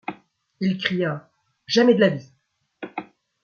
Il cria :— Jamais de la vie !